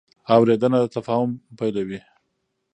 اورېدنه د تفاهم پیلوي.